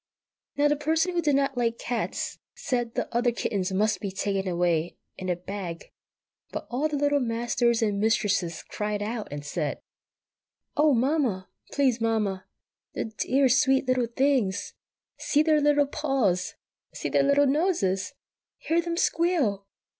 Now the Person who did not like cats said the other kittens must be taken away in a bag; but all the Little Masters and Mistresses cried out, and said,— "Oh, Mamma!" "Please, Mamma, the dear, sweet little things!" "See their little paws!" "See their dear little noses!" "Hear them squeal!"